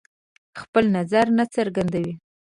خپل نظر نه څرګندوي.